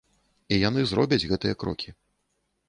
І яны зробяць гэтыя крокі.